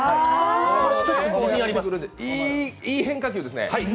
いい変化球ですね。